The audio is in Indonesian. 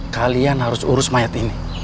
kalian harus urus mayat ini